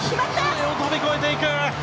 上を飛び越えていく！